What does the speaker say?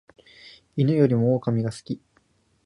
犬よりも狼が好き